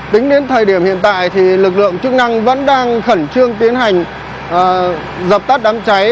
tính đến thời điểm hiện tại thì lực lượng chức năng vẫn đang khẩn trương tiến hành dập tắt đám cháy